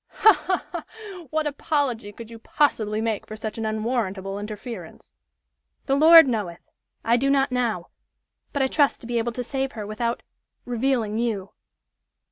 "Ha! ha! ha! What apology could you possibly make for such an unwarrantable interference?" "The Lord knoweth! I do not now. But I trust to be able to save her without revealing you."